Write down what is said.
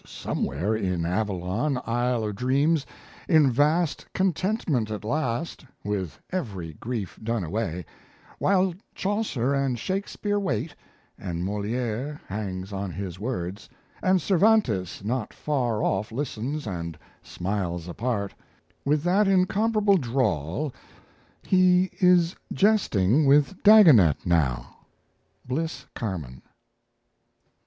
somewhere In Avalon, Isle of Dreams, In vast contentment at last, With every grief done away, While Chaucer and Shakespeare wait, And Moliere hangs on his words, And Cervantes not far off Listens and smiles apart, With that incomparable drawl He is jesting with Dagonet now." BLISS CARMAN.